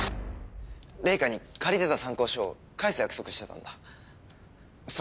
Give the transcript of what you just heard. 玲香に借りてた参考書を返す約束してたんだそれで。